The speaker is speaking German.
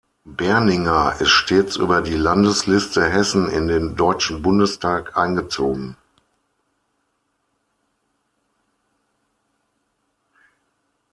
Berninger ist stets über die Landesliste Hessen in den Deutschen Bundestag eingezogen.